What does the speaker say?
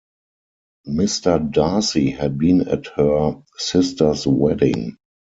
Mr. Darcy had been at her sister's wedding.